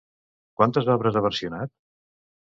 Quantes obres ha versionat?